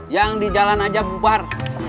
yang di jalan aja bubar